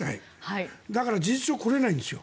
だから、事実上来れないんですよ。